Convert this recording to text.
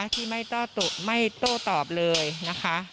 ที่ไม่โต้ตอบเลยนะคะ